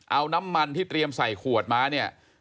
เอาน้ำมันที่เตรียมใส่ขวดมาเนี่ย